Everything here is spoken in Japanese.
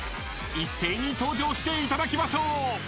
［一斉に登場していただきましょう］